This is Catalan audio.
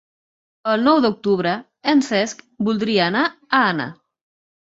El nou d'octubre en Cesc voldria anar a Anna.